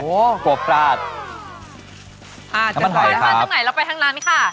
โหกลัวปราดอ่าแล้วไปท่านใดเราไปทั้งร้านนี่ค่ะ